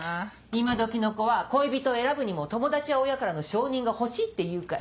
今どきの子は恋人を選ぶにも友達や親からの承認が欲しいっていうから。